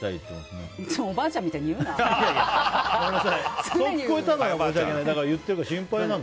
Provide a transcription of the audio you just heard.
おばあちゃんみたいに言うな。